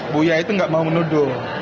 bu ya itu gak mau menuduh